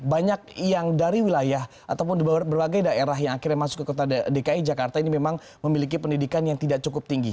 banyak yang dari wilayah ataupun di berbagai daerah yang akhirnya masuk ke dki jakarta ini memang memiliki pendidikan yang tidak cukup tinggi